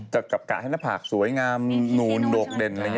กับกะให้หน้าผากสวยงามนูนโดกเด่นอะไรอย่างนี้